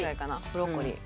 ブロッコリー。